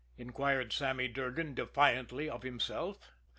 inquired Sammy Durgan defiantly of himself.